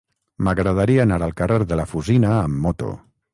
M'agradaria anar al carrer de la Fusina amb moto.